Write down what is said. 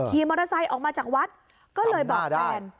ขี่มอเตอร์ไซค์ออกมาจากวัดก็เลยบอกแฟน